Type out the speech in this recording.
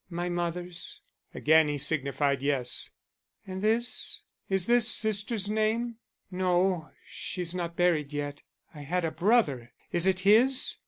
"My mother's?" Again he signified yes. "And this? Is this sister's name? No, she's not buried yet. I had a brother. Is it his?"